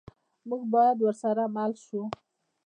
موږ باید ورسره مل شو.